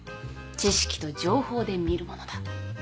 知識と情報で見るものだ。